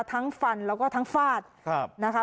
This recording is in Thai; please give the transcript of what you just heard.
ทั้งฟันแล้วก็ทั้งฟาดค่ะนะคะ